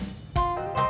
aku mau nungguin